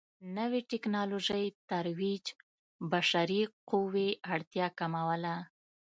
د نوې ټکنالوژۍ ترویج بشري قوې اړتیا کموله.